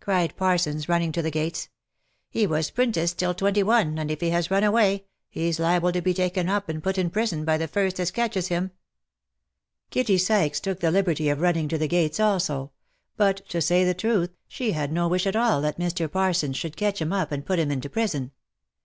cried Parsons, running to the gates. " He was 'printiced till twenty one, and if he has run away, he's liable to be taken up and put in prison, by the first as catches him." Kitty Sykes took the liberty of running to the gates also ; but to say the truth, she had no wish at all that Mr. Parsons should catch him up, and put him into prison.